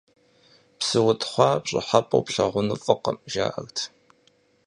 Псы утхъуа пщӀыхьэпӀэу плъагъуну фӀыкъым, жаӀэрт.